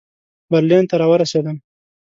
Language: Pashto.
برلین ته را ورسېدم.